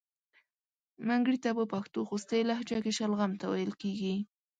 منګړیته په پښتو خوستی لهجه کې شلغم ته ویل کیږي.